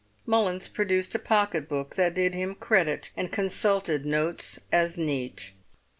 Mullins produced a pocket book that did him credit, and consulted notes as neat.